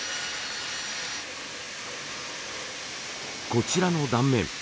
こちらの断面